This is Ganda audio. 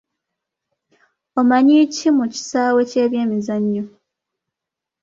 Omanyi ki mu kisaawe ky’ebyemizanyo.